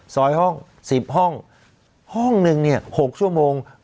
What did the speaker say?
ซอยห้อง๑๐ห้องห้องนึงเนี่ย๖ชั่วโมง